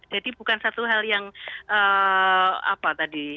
jadi bukan satu hal yang apa tadi